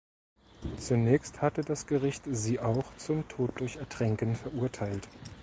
Zunächst hatte das Gericht sie auch zum Tod durch Ertränken verurteilt.